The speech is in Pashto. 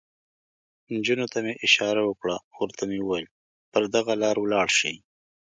نجونو ته مې اشاره وکړه، ورته مې وویل: پر دغه لار ولاړ شئ.